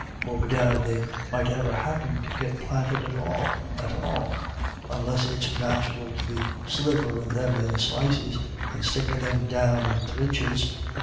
Or, bedad, they mightn't ever happen to get planted at all at all, dnless it's natural to be sliverin' them in slices, ; and stickin' them down in thrinches.